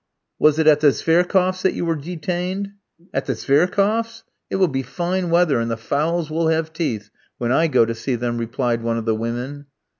"Was it at the Zvierkoffs that you were detained?" "At the Zvierkoffs? It will be fine weather, and the fowls will have teeth, when I go to see them," replied one of the women.